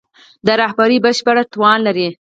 د رهبري بشپړ توان لري.